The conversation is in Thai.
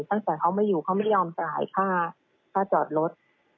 ตั้งแต่เขาไม่อยู่เขาไม่ยอมจ่ายค่าจอดรถ